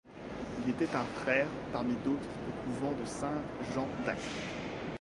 Il était un frère parmi d'autres au couvent de Saint-Jean-d'Acre.